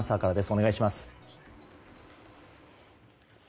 お願いします。